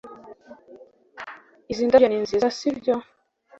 Izi ndabyo ni nziza sibyo